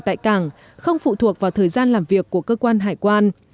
tại cảng không phụ thuộc vào thời gian làm việc của cơ quan hải quan